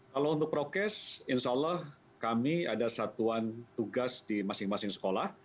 kalau untuk prokes insya allah kami ada satuan tugas di masing masing sekolah